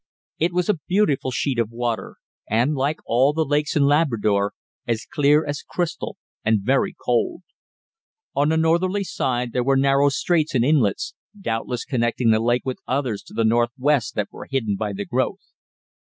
It was a beautiful sheet of water, and, like all the lakes in Labrador, as clear as crystal and very cold. On the northerly side there were narrow straits and inlets, doubtless connecting the lake with others to the northwest that were hidden by the growth.